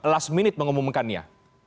last minute mengumumkannya